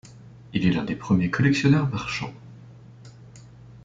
Il est l'un des premiers collectionneurs-marchands.